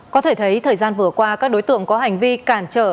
có thể thấy thời gian vừa qua các đối tượng có hành vi cản trở